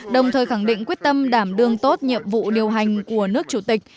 đồng thời khẳng định quyết tâm đảm đương tốt nhiệm vụ điều hành của nước chủ tịch